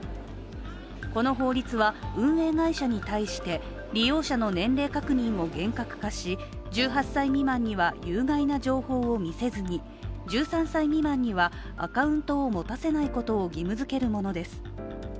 この法律は運営会社に対して利用者の年齢確認を厳格化し、１８歳未満には有害な情報を見せずに１３歳未満にはアカウントを持たせないことを義務づけるものです。